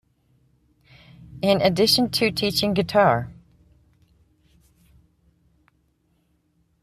In addition to teaching guitar.